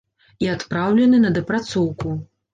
І адпраўлены на дапрацоўку!